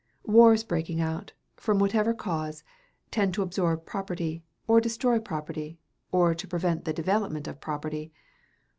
Wars breaking out, from whatever cause, tend to absorb property, or to destroy property, or to prevent the development of property.